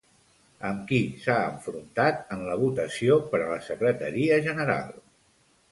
Amb qui s'ha enfrontat en la votació per a la secretaria general?